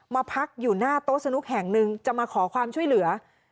มาพักอยู่หน้าโต๊ะสนุกแห่งหนึ่งจะมาขอความช่วยเหลือ